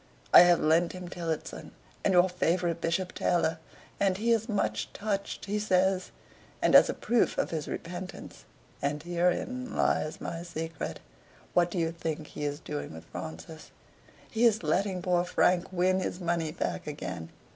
I have lent him 'Tillotson' and your favorite 'Bishop Taylor,' and he is much touched, he says; and as a proof of his repentance (and herein lies my secret) what do you think he is doing with Francis? He is letting poor Frank win his money back again.